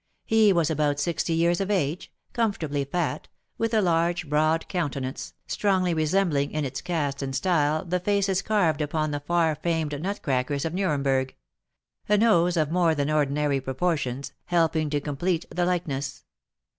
He was about sixty years of age, comfortably fat, with a large, broad countenance, strongly resembling in its cast and style the faces carved upon the far famed nutcrackers of Nuremberg; a nose, of more than ordinary proportions, helping to complete the likeness.